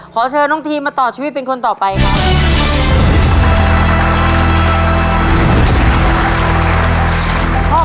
ขอเชิญน้องทีมมาต่อชีวิตเป็นคนต่อไปครับ